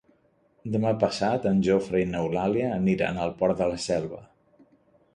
Demà passat en Jofre i n'Eulàlia aniran al Port de la Selva.